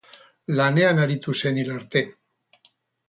Lanean aritu zen hil arte.